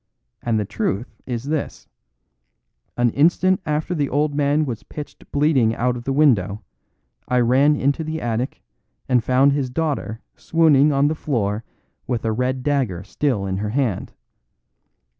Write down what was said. And the truth is this: An instant after the old man was pitched bleeding out of the window, I ran into the attic, and found his daughter swooning on the floor with a red dagger still in her hand.